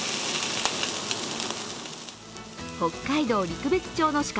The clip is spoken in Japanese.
北海道・陸別町の鹿